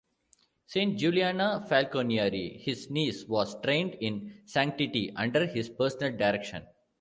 Saint Juliana Falconieri, his niece, was trained in sanctity under his personal direction.